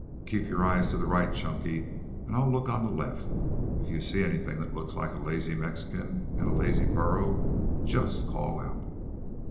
"Keep your eyes to the right, Chunky, and I'll look on the left. If you see anything that looks like a lazy Mexican and a lazy burro, just call out."